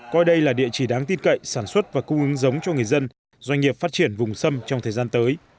coi đây là địa chỉ đáng tin cậy sản xuất và cung ứng giống cho người dân doanh nghiệp phát triển vùng sâm trong thời gian tới